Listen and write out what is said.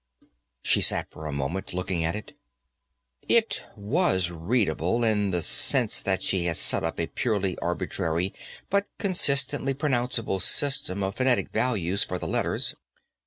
She sat for a moment, looking at it. It was readable, in the sense that she had set up a purely arbitrary but consistently pronounceable system of phonetic values for the letters.